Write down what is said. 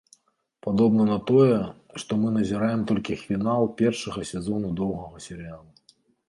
Падобна на тое, што мы назіраем толькі фінал першага сезону доўгага серыялу.